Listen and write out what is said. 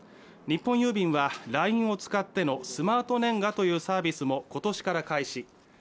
日本郵便はＬＩＮＥを使ってのスマートねんがというサービスも今年から開始。